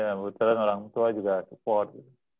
ya kebetulan orang tua juga support